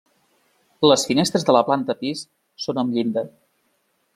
Les finestres de la planta pis són amb llinda.